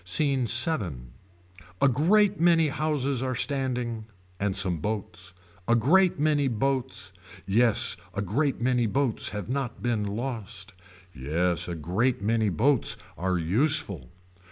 SCENE VII. A great many houses are standing. And some boats. A great many boats. Yes a great many boats have not been lost. Yes a great many boats are useful.